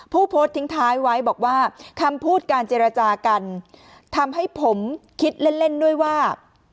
ผู้โพสต์ทิ้งท้ายไว้บอกว่าคำพูดการเจรจากันทำให้ผมคิดเล่นเล่นด้วยว่า